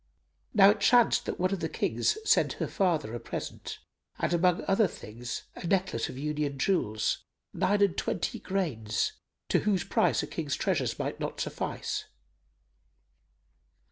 Now it chanced that one of the Kings sent her father a present, and amongst other things, a necklace of union jewels, nine and twenty grains, to whose price a King's treasures might not suffice.